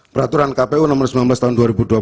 peraturan kpu nomor sembilan belas tahun dua ribu dua puluh